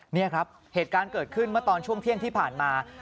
นี่ครับเหตุการณ์เกิดขึ้นเมื่อตอนช่วงเที่ยงที่ผ่านมา